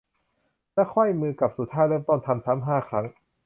และไขว้มือกลับสู่ท่าเริ่มต้น ทำซ้ำ ห้า ครั้ง